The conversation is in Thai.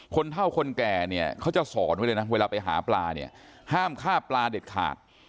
เท่าคนแก่เนี่ยเขาจะสอนไว้เลยนะเวลาไปหาปลาเนี่ยห้ามฆ่าปลาเด็ดขาด